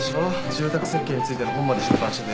住宅設計についての本まで出版してて。